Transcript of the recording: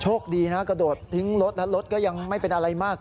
คดีนะกระโดดทิ้งรถแล้วรถก็ยังไม่เป็นอะไรมาก